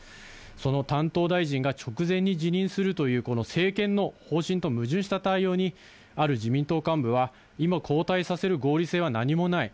その担当大臣が直前に辞任するという、この政権の方針と矛盾した対応に、ある自民党幹部は、今、交代させる合理性は何もない。